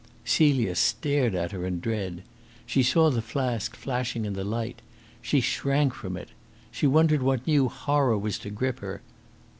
Celia stared at her in dread. She saw the flask flashing in the light. She shrank from it. She wondered what new horror was to grip her.